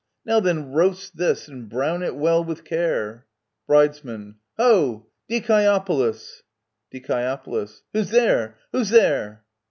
Now then, roast this, and brown it well with care ! Bridesman. Ho ! Dicseopolis ! Die. Who's there ? Who's there